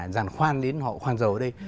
giàn khoan đến họ khoan dầu ở đây